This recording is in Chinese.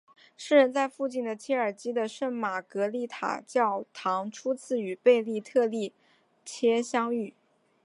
诗人在附近的切尔基的圣玛格丽塔教堂初次与贝阿特丽切相遇。